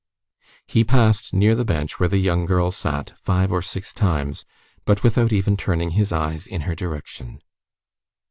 He passed near the bench where the young girl sat, five or six times, but without even turning his eyes in her direction.